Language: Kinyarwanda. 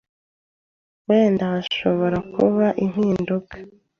wenda hashobora kuba impinduka .